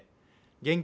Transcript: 現金